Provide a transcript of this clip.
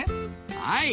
はい！